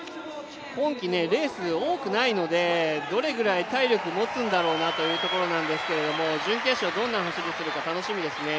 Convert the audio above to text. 今季、レース多くないのでどれぐらい体力が持つんだろうなというところなんですけど準決勝、どんな走りをするか楽しみですね。